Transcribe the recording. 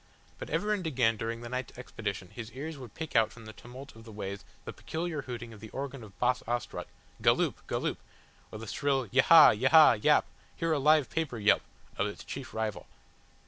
But ever and again during the night's expedition his ears would pick out from the tumult of the ways the peculiar hooting of the organ of Boss Ostrog, "Galloop, Galloop!" or the shrill "Yahaha, Yaha Yap! Hear a live paper yelp!" of its chief rival.